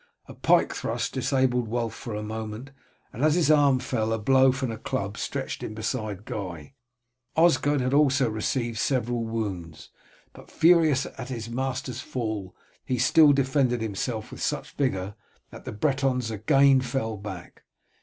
A pike thrust disabled Wulf for a moment, and as his arm fell a blow from a club stretched him beside Guy. Osgod had also received several wounds, but furious at his master's fall he still defended himself with such vigour that the Bretons again fell back.